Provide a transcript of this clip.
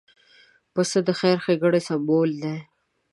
پسه د خیر ښېګڼې سمبول دی.